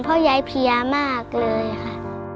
เพราะยายเพลียมากเลยค่ะ